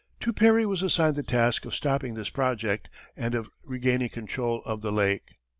To Perry was assigned the task of stopping this project, and of regaining control of the lake.